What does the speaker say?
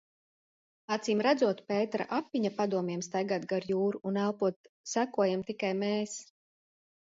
Acīmredzot, Pētera Apiņa padomiem staigāt gar jūru un elpot sekojam tikai mēs.